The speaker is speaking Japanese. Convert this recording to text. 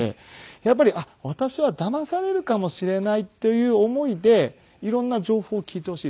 やっぱり私はだまされるかもしれないという思いで色んな情報を聞いてほしいですね。